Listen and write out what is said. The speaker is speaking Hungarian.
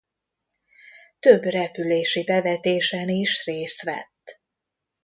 Több repülési bevetésen is részt vett.